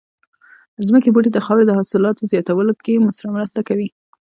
ځمکې بوټي د خاورې د حاصل زياتولو کې مرسته کوي